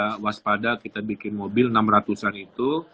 jadi kita waspada kita bikin mobil enam ratus an itu